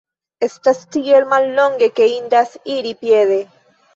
Estas tiel mallonge ke indas iri piede.